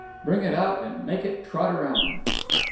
Bring it out and make it trot around."